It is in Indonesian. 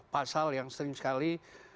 pasal yang sering sekali